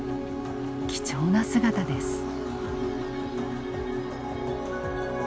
貴重な姿です。